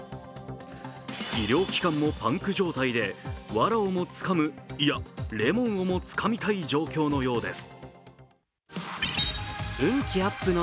医療機関もパンク状態で、わらをもつかむ、いや、レモンをもつかみたい状況のようです。